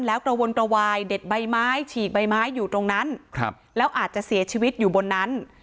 แล้วกระวนกระวายเด็ดใบไม้ฉีกใบไม้อยู่ตรงนั้นแล้วอาจจะเสียชีวิตอยู่บนนั้น